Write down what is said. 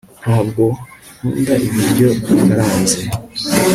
ntabwo nkunda ibiryo bikaranze